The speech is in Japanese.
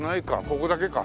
ここだけか。